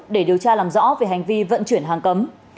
để điều tra làm rõ về hành vi vận chuyển hàng cấm